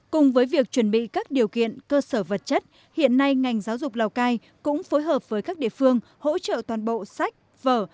cùng với việc chuẩn bị các điều kiện cơ sở vật chất hiện nay ngành giáo dục lào cai cũng phối hợp với các địa phương hỗ trợ toàn bộ sách vở